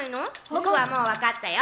僕はもうわかったよ。